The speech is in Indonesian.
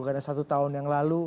karena satu tahun lalu